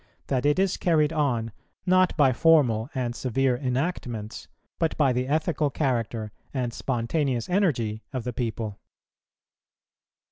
that it is carried on, not by formal and severe enactments, but by the ethical character and spontaneous energy of the people.